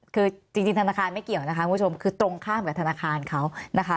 คือจริงธนาคารไม่เกี่ยวนะคะคุณผู้ชมคือตรงข้ามกับธนาคารเขานะคะ